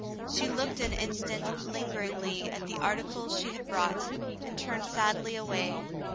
She looked an instant lingeringly at the articles she had brought, and turned sadly away.